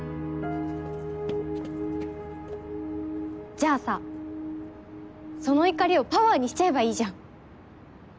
じゃあさその怒りをパワーにしちゃえばいいじゃん。